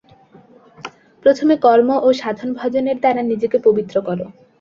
প্রথমে কর্ম ও সাধন-ভজনের দ্বারা নিজেকে পবিত্র কর।